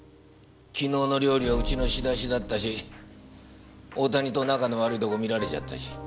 昨日の料理はうちの仕出しだったし大谷と仲の悪いとこ見られちゃったし。